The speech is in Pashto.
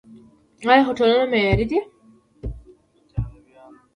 آیا هوټلونه معیاري دي؟